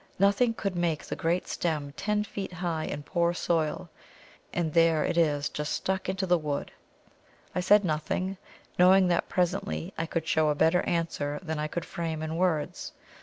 Nothing could make that great stem ten feet high in a poor soil, and there it is, just stuck into the wood!" I said nothing, knowing that presently I could show a better answer than I could frame in words.